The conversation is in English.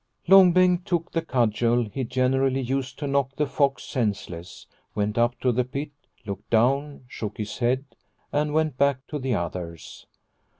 Long Bengt took the cudgel he generally used to knock the fox senseless, went up to the pit, looked down, shook his head, and went back to the others.